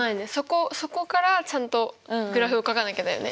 そこからちゃんとグラフをかかなきゃだよね。